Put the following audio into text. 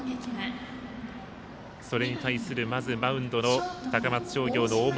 それに対する、マウンドの高松商業の大室。